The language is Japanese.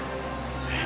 えっ？